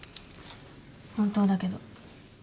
本当だけど。